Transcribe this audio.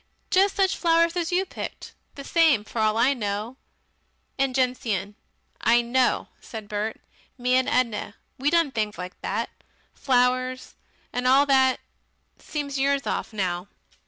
Just such flowers as you picked. The same for all I know. And gentian." "I know" said Bert, "me and Edna we done things like that. Flowers. And all that. Seems years off now."